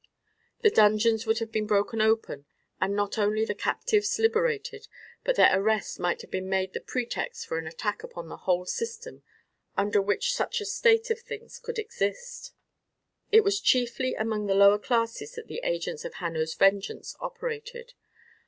The dungeons would have been broken open, and not only the captives liberated, but their arrest might have been made the pretext for an attack upon the whole system under which such a state of things could exist. It was chiefly among the lower classes that the agents of Hanno's vengeance operated.